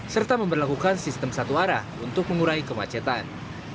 serta memperlakukan sistem satu arah untuk mengurai kemacetan